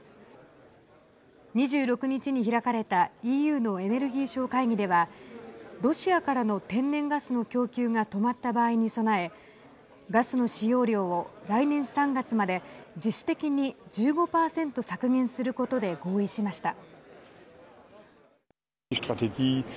２６日に開かれたＥＵのエネルギー相会議ではロシアからの天然ガスの供給が止まった場合に備えガスの使用量を来年３月まで、自主的に１５％削減することで合意しました。